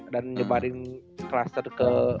dan nyebarin cluster ke